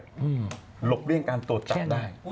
หลบเลี่ยงการตรวจจับได้